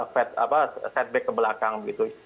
fat apa setback ke belakang gitu